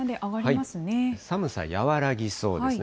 寒さ和らぎそうですね。